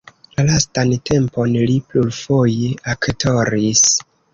La lastan tempon li plurfoje aktoris.